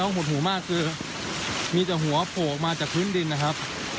โอเควะครับ